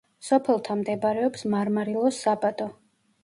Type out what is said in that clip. სოფელთან მდებარეობს მარმარილოს საბადო.